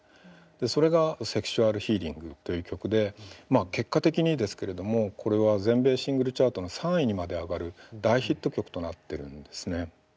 それが「ＳｅｘｕａｌＨｅａｌｉｎｇ」という曲でまあ結果的にですけれどもこれは全米シングルチャートの３位にまで上がる大ヒット曲となってるんですね。